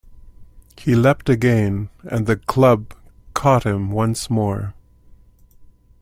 He leapt again, and the club caught him once more.